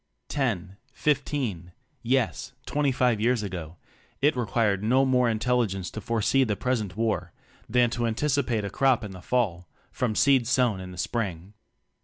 Ten, fifteen, yes, twenty five years ago, it required no more intelligence to foresee the present war than to anticipate a crop in the Fall from seed sown in the Spring.